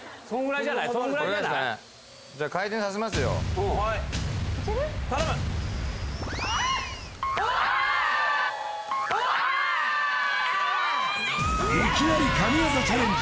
いきなり神業チャレンジ